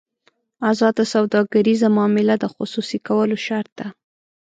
ازاده سوداګریزه معامله د خصوصي کولو شرط ده.